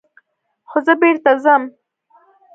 خو زه بېرته ځم.